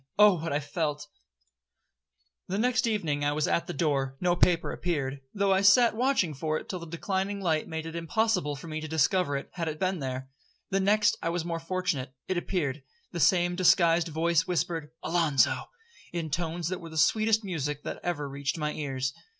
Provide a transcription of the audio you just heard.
—Oh what I felt! 'The next evening I was at the door; no paper appeared, though I sat watching for it till the declining light made it impossible for me to discover it, had it been there. The next I was more fortunate; it appeared. The same disguised voice whispered 'Alonzo,' in tones that were the sweetest music that ever reached my ears.